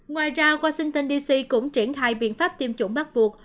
ngoài ra washington dc cũng triển khai biện pháp tiêm chủng bắt buộc